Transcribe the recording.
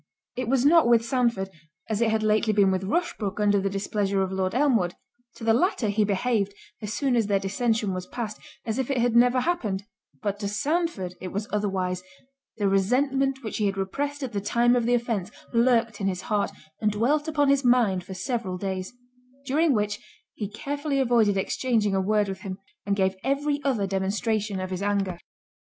It was not with Sandford, as it had lately been with Rushbrook under the displeasure of Lord Elmwood—to the latter he behaved, as soon as their dissension was past, as if it had never happened—but to Sandford it was otherwise—the resentment which he had repressed at the time of the offence, lurked in his heart, and dwelt upon his mind for several days; during which, he carefully avoided exchanging a word with him, and gave every other demonstration of his anger.